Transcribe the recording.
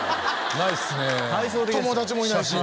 友達もいないし